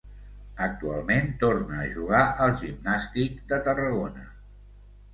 Actualment tornar a jugar al Gimnàstic de Tarragona.